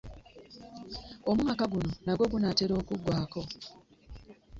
Omwaka guno nagwo gunaatera okuggwaako.